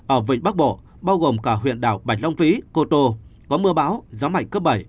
ở vịnh bắc bộ bao gồm cả huyện đảo bạch long vĩ cô tô có mưa bão gió mạnh cấp bảy